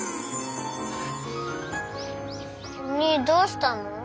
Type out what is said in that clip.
おにぃどうしたの？